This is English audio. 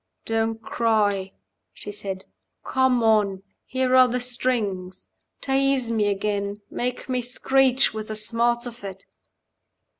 "Don't cry," she said. "Come on. Here are the strings. Tease me again. Make me screech with the smart of it."